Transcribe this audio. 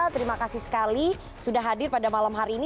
terima kasih sekali sudah hadir pada malam hari ini